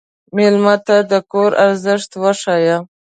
مېلمه ته د کور ارزښت وښیه.